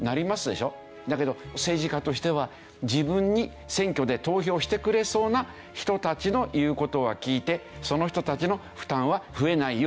だけど政治家としては自分に選挙で投票してくれそうな人たちの言う事は聞いてその人たちの負担は増えないようにしよう。